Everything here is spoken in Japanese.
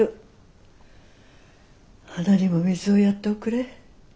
花にも水をやっておくれ。